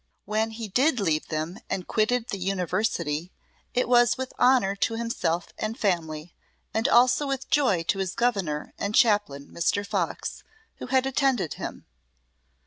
When he did leave them and quitted the University, it was with honour to himself and family, and also with joy to his Governour and Chaplain Mr. Fox, who had attended him.